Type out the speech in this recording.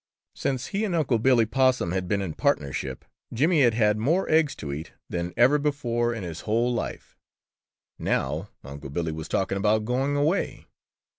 Since he and Unc' Billy Possum had been in partnership, Jimmy had had more eggs to eat than ever before in his whole life. Now Unc' Billy was talking about going away.